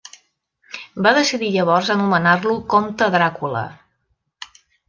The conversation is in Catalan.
Va decidir llavors anomenar-lo comte Dràcula.